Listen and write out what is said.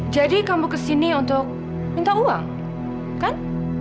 jadi kamu kesini untuk minta uang kan